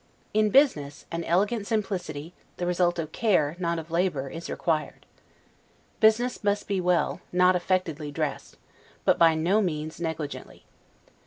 In business, an elegant simplicity, the result of care, not of labor, is required. Business must be well, not affectedly dressed; but by no means negligently.